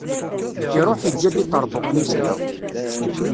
Iruḥ iǧǧa-d iṭerbuqen-is da.